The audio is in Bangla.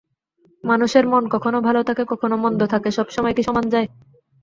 মানুষের মন কখনো ভালো থাকে কখনো মন্দ থাকে, সব সময় কি সমান যায়!